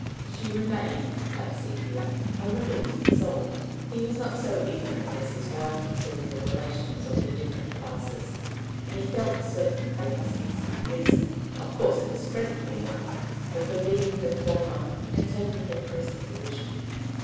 She remained, like Sepia, a riddle to be solved. He was not so ignorant as his wife concerning the relations of the different classes, and he felt certain there must be some reason, of course a discreditable one, for her leaving her former, and taking her present, position.